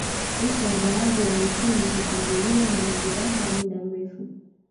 licha ya baadhi ya misimu kusumbuliwa na majeraha ya muda mrefu